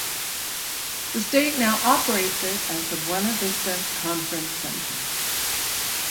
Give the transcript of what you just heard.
The state now operates it as the Buena Vista Conference Center.